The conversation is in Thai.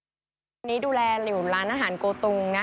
ทีนี้ดูแลอยู่ร้านอาหารโกตุง